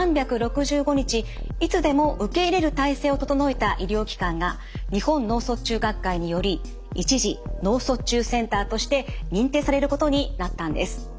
いつでも受け入れる体制を整えた医療機関が日本脳卒中学会により一次脳卒中センターとして認定されることになったんです。